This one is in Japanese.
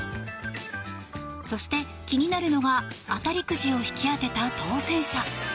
そして、気になるのが当たりくじを引き当てた当せん者。